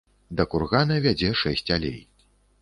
Да кургана вядзе шэсць алей.